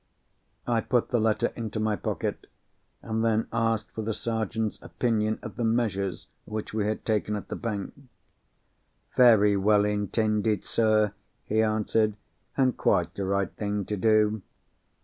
I put the letter into my pocket—and then asked for the Sergeant's opinion of the measures which we had taken at the bank. "Very well intended, sir," he answered, "and quite the right thing to do.